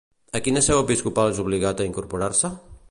A quina seu episcopal és obligat a incorporar-se?